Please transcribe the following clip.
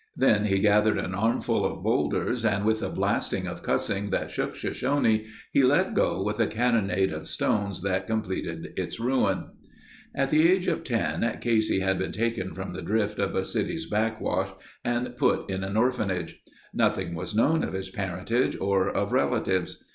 Then he gathered an armful of boulders and with a blasting of cussing that shook Shoshone he let go with a cannonade of stones that completed its ruin. At the age of ten Casey had been taken from the drift of a city's backwash and put in an orphanage. Nothing was known of his parentage or of relatives.